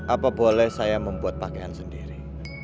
apa boleh saya membuat pakaian sendiri